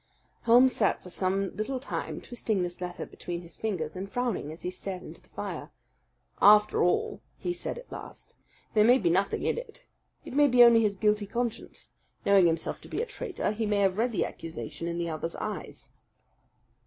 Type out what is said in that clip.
Holmes sat for some little time twisting this letter between his fingers, and frowning, as he stared into the fire. "After all," he said at last, "there may be nothing in it. It may be only his guilty conscience. Knowing himself to be a traitor, he may have read the accusation in the other's eyes."